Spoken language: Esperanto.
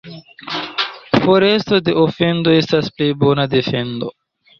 Foresto de ofendo estas plej bona defendo.